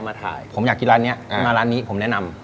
มาถ่ายผมอยากกินร้านนี้มาร้านนี้ผมแนะนำ